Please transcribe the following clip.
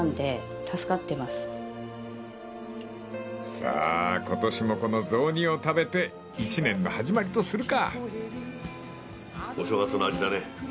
［さあ今年もこの雑煮を食べて１年の始まりとするか］